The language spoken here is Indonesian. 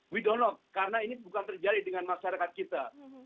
we don't know karena ini bukan terjadi dengan masyarakat kita